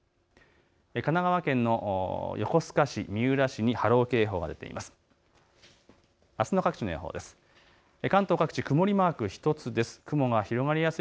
神奈川県の横須賀市、三浦市に波浪警報が出ています。